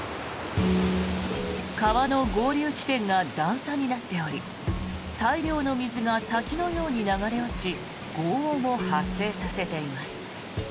川の合流地点が段差になっており大量の水が滝のように流れ落ちごう音を発生させています。